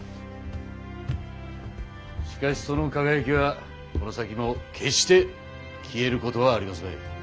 しかしその輝きはこの先も決して消えることはありますまい。